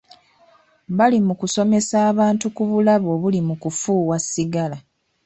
Bali mu kusomesa bantu ku bulabe obuli mu kufuuwa sigala.